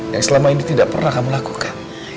yang selama ini tidak pernah kamu lakukan